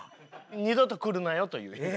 二度と来るなよという意味で。